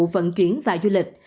vận chuyển và du lịch